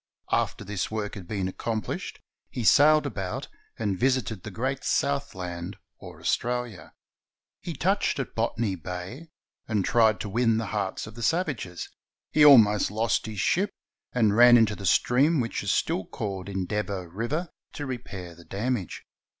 After this work had been accomplished, he sailed about and visited the "Great South Land," or Australia. He touched at Botany Bay and tried to win the hearts of the savages; he almost lost his ship, and ran into the stream which is still called Endeavor River to repair the damage.